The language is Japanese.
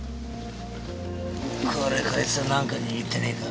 これこいつなんか握ってねえか？